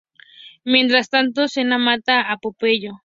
Mientras tanto, Xena mata a Pompeyo.